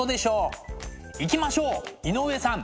行きましょう井上さん！